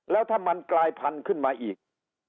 แล้วถ้ามันกลายพันธุ์ขึ้นมาอีก